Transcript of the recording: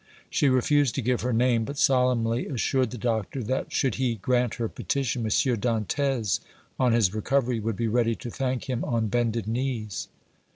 She refused to give her name, but solemnly assured the doctor that, should he grant her petition, M. Dantès on his recovery would be ready to thank him on bended knees.